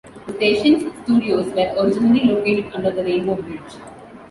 The station's studios were originally located under the Rainbow Bridge.